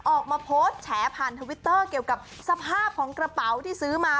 ออกมาโพสต์แฉผ่านทวิตเตอร์เกี่ยวกับสภาพของกระเป๋าที่ซื้อมา